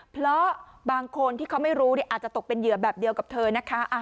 เพราะบางคนที่เขาไม่รู้อาจจะตกเป็นเหยื่อแบบเดียวกับเธอนะคะ